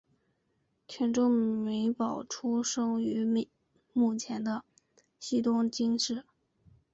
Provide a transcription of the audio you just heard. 田中美保出生于目前的西东京市。